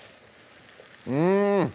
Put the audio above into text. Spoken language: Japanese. うん